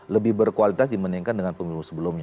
lebih berkualitas dibandingkan dengan pemilu sebelumnya